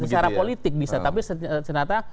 secara politik bisa tapi ternyata